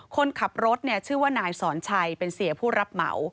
คนขับรถชื่อว่านายสอนชัยเป็นเสียผู้รับเหมา